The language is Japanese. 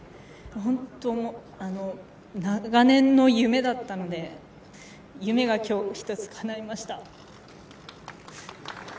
本当に、長年の夢だったので夢が今日一つ叶いました。